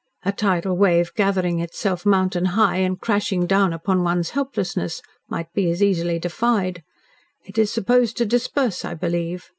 A tidal wave gathering itself mountain high and crashing down upon one's helplessness might be as easily defied. It is supposed to disperse, I believe.